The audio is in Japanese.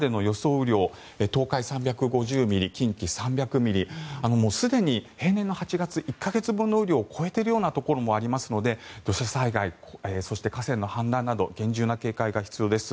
雨量東海、３５０ミリ近畿、３００ミリもうすでに平年の８月１か月分の雨量を超えているところもありますので土砂災害、そして河川の氾濫など厳重な警戒が必要です。